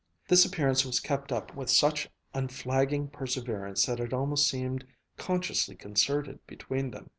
This appearance was kept up with such unflagging perseverance that it almost seemed consciously concerted between them.